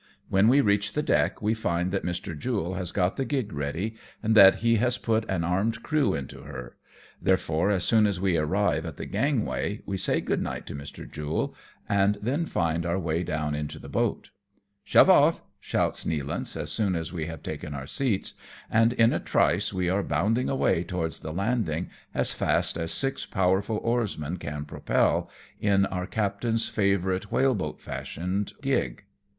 When we reach the deck, we find that Mr. Jule has got the gig ready, and that he has put an armed crew into her ; therefore, as soon as we arrive at the gang way, we say good night to Mr. Jule, and then fiud our way down into the boat. " Shove off !" shouts Nealance, as soon as we have taken our seats, and in a trice we are bounding away towards the landing, as fast as six powerful oarsmen can propel, in our captain's favourite whale boat fashioned gig.